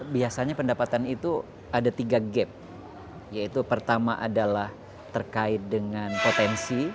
biasanya pendapatan itu ada tiga gap yaitu pertama adalah terkait dengan potensi